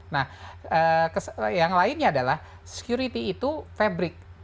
nah yang lainnya adalah security itu fabrik